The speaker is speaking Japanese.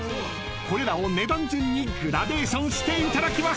これらを値段順にグラデーションしていただきましょう］